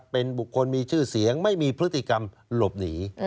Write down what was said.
เป็นบุคคลมีชื่อเสียงไม่มีพฤติกรรมหลบหนี